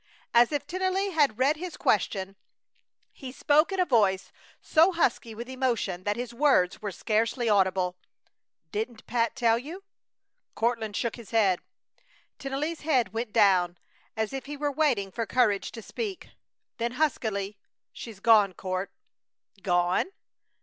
As if Tennelly had read his question he spoke in a voice so husky with emotion that his words were scarcely audible: "Didn't Pat tell you?" Courtland shook his head. Tennelly's head went down, as if he were waiting for courage to speak. Then, huskily: "She's gone, Court!" "Gone?"